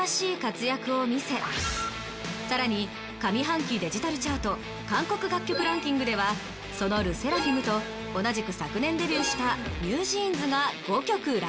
さらに上半期デジタルチャート韓国楽曲ランキングではそのＬＥＳＳＥＲＡＦＩＭと同じく昨年デビューしたＮｅｗＪｅａｎｓが５曲ランクイン。